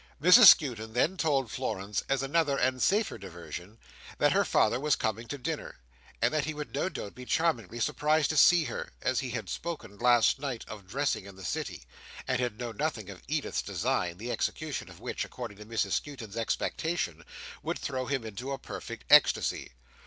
Mrs Skewton then told Florence, as another and safer diversion, that her father was coming to dinner, and that he would no doubt be charmingly surprised to see her; as he had spoken last night of dressing in the City, and had known nothing of Edith's design, the execution of which, according to Mrs Skewton's expectation, would throw him into a perfect ecstasy.